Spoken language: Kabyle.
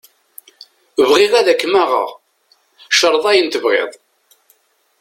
Bɣiɣ ad k-maɣeɣ, creḍ ayen tebɣiḍ.